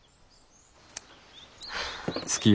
はあ。